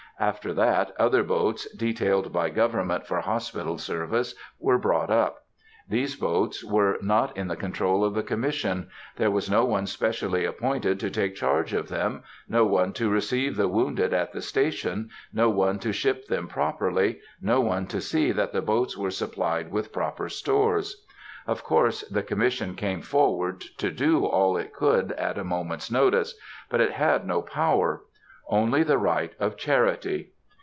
After that, other boats, detailed by government for hospital service, were brought up. These boats were not in the control of the Commission. There was no one specially appointed to take charge of them, no one to receive the wounded at the station, no one to ship them properly, no one to see that the boats were supplied with proper stores. Of course the Commission came forward to do all it could at a moment's notice, but it had no power; only the right of charity.